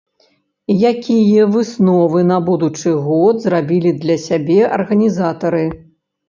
Якія высновы на будучы год зрабілі для сябе арганізатары?